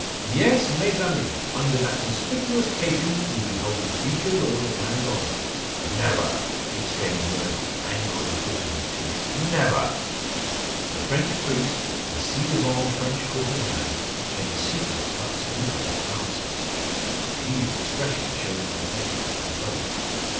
Yes, mes amis! Under that conspicuous kepi you behold the future lord of Llangorren." "Never!" exclaims Murdock, angrily gritting his teeth. "Never!" The French priest and ci devant French courtesan exchange secret, but significant, glances; a pleased expression showing on the faces of both.